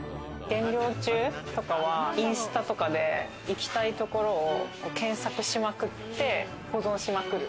減量中とかは、インスタとかで行きたい所を検索しまくって保存しまくる。